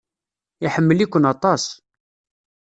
Iḥemmel-iken aṭas.